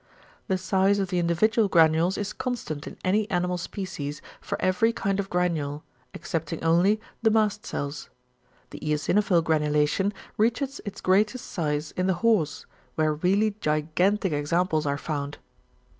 The size of the individual granules is constant in any animal species for every kind of granule excepting only the mast cells. The eosinophil granulation reaches its greatest size in the horse, where really gigantic examples are found.